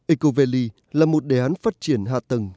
eco valley là một đề án phát triển hạ tầng